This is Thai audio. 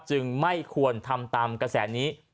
ไม่ควรทำตามกระแสนี้